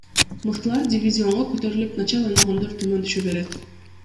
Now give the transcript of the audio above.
Мыктылар дивизионго көтөрүлүп, начар ойногондор төмөн түшө берет.